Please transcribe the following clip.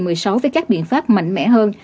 đối với các biện pháp mạnh mẽ hơn